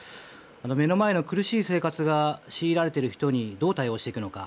目の前の苦しい生活が強いられている人にどう対応していくのか。